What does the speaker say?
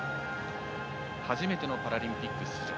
初めてのパラリンピック出場。